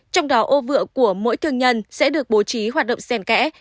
trong đó ô vựa của mỗi thương nhân sẽ được bố trí hoạt động xen kẽ